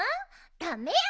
ダメよ。